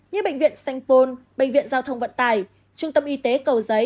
như bệnh viện saint paul bệnh viện giao thông vận tải trung tâm y tế cầu dân